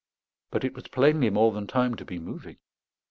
But it was plainly more than time to be moving.